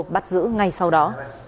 bắt giữ ngay sau đó